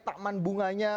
terlalu luar biasa